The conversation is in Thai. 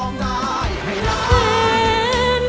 ร้องได้ให้ล้าน